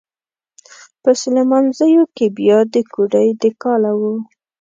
په سليمانزو کې بيا د کوډۍ د کاله و.